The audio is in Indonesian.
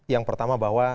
yang pertama bahwa